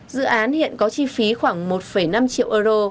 dự án hiện có chi phí khoảng một năm triệu euro